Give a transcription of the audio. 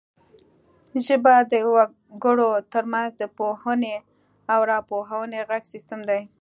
ژبه د وګړو ترمنځ د پوهونې او راپوهونې غږیز سیستم دی